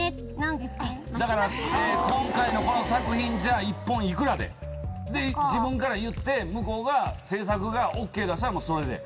だから今回のこの作品じゃあ一本いくらでで自分から言って向こうが制作がＯＫ出したらもうそれで。